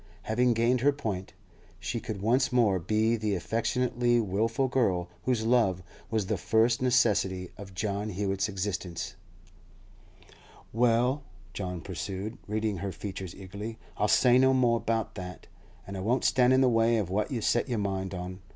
Having gained her point, she could once more be the affectionately wilful girl whose love was the first necessity of John Hewett's existence. 'Well,' John pursued, reading her features eagerly, 'I'll say no more about that, and I won't stand in the way of what you've set your mind on.